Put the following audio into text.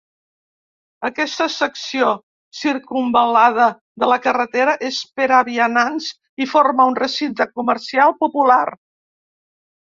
Aquesta secció circumval·lada de la carretera és per a vianants i forma un recinte comercial popular.